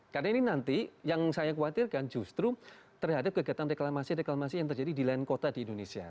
karena ini nanti yang saya khawatirkan justru terhadap kegiatan reklamasi reklamasi yang terjadi di lain kota di indonesia